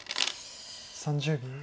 ３０秒。